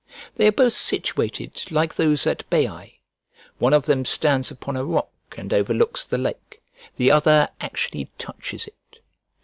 They are both situated like those at Baiae: one of them stands upon a rock, and overlooks the lake; the other actually touches it.